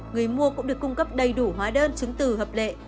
người mua cũng được cung cấp đầy đủ hóa đơn chứng từ hợp lệ